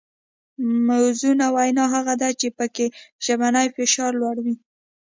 موزونه وینا هغه ده چې پکې ژبنی فشار لوړ وي